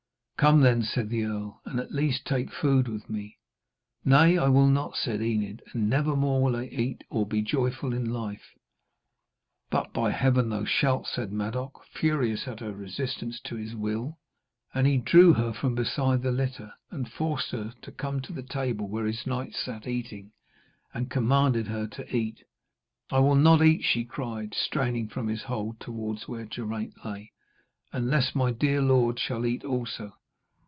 'Come, then,' said the earl, 'and at least take food with me.' 'Nay, I will not,' said Enid, 'and never more will I eat or be joyful in life.' 'But, by Heaven, thou shalt,' said Madoc, furious at her resistance to his will. And he drew her from beside the litter, and forced her to come to the table where his knights sat eating, and commanded her to eat. 'I will not eat,' she cried, straining from his hold towards where Geraint lay, 'unless my dear lord shall eat also.'